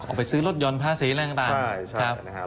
ออกไปซื้อรถยนต์พลาสีอะไรต่าง